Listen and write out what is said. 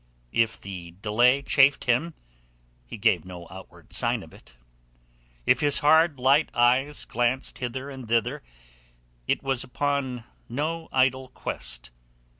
If the delay chafed him, he gave no outward sign of it. If his hard, light eyes glanced hither and thither it was upon no idle quest.